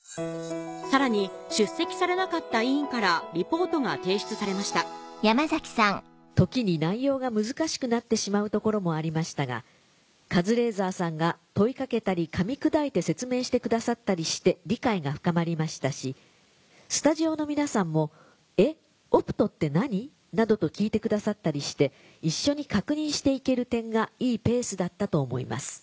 さらに出席されなかった委員からリポートが提出されました「時に内容が難しくなってしまうところもありましたがカズレーザーさんが問い掛けたりかみ砕いて説明してくださったりして理解が深まりましたしスタジオの皆さんも『えっオプトって何？』などと聞いてくださったりして一緒に確認していける点がいいペースだったと思います。